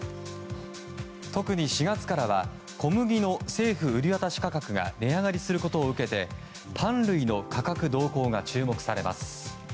特に４月からは小麦の政府売り渡し価格が値上がりすることを受けてパン類の価格動向が注目されます。